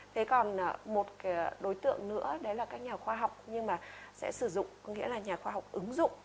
thế còn một đối tượng nữa đấy là các nhà khoa học nhưng mà sẽ sử dụng có nghĩa là nhà khoa học ứng dụng